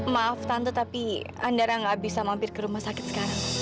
maaf tante tapi andara nggak bisa mampir ke rumah sakit sekarang